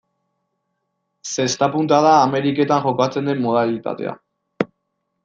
Zesta-punta da Ameriketan jokatzen den modalitatea.